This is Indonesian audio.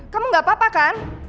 kamu gak apa apa kan